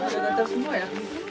bapak ada gatal semua ya